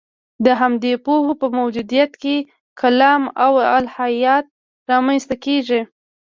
د همدې پوهو په موجودیت کې کلام او الهیات رامنځته کېږي.